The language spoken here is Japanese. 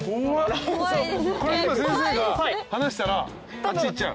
これ今先生が離したらあっち行っちゃう？